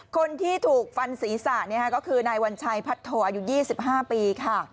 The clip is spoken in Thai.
คนที่ถูกฟันศีรษะก็คือนายวัญชัยพัทโทอายุ๒๕ปีค่ะ